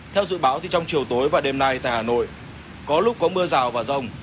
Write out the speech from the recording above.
theo dự báo thì trong chiều tối và đêm nay tại hà nội có lúc có mưa rào và rông